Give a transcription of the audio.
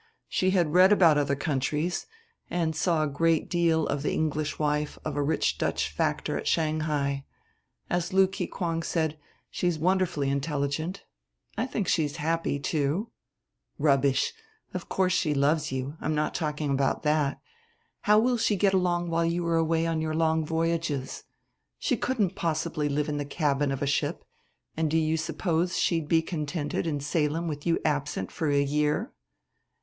She had read about other countries and saw a great deal of the English wife of a rich Dutch factor at Shanghai; as Lú Kikwáng said, she's wonderfully intelligent. I think she is happy, too." "Rubbish! Of course she loves you; I am not talking about that. How will she get along while you are away on your long voyages? She couldn't possibly live in the cabin of a ship, and do you suppose she'd be contented in Salem with you absent for a year!"